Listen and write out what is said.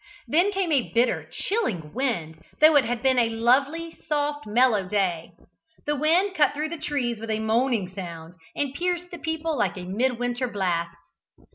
Then came a bitter, chilling wind, though it had been a lovely, soft, mellow day: the wind cut through the trees with a moaning sound, and pierced the people like a mid winter blast.